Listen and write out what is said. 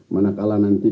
mana kalah nanti